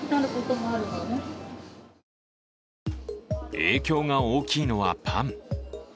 影響が大きいのはパン。